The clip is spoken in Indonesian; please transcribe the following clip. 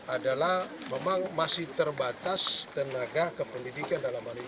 adalah memang masih terbatas tenaga kependidikan dalam hal ini